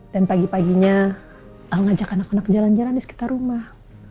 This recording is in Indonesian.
dan pagi paginya al ngajak anak anak jalan jalan di sekitar rumah